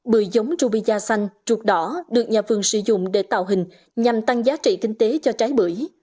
bưởi giống rubia xanh trục đỏ được nhà phường sử dụng để tạo hình nhằm tăng giá trị kinh tế cho trái bưởi